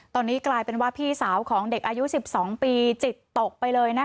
ตอนนี้กลายเป็นว่าพี่สาวของเด็กอายุ๑๒ปีจิตตกไปเลยนะคะ